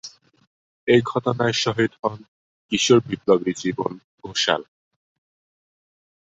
এই ঘটনায় শহীদ হন কিশোর বিপ্লবী জীবন ঘোষাল।